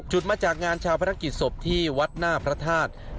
มาจากงานชาวพนักกิจศพที่วัดหน้าพระธาตุ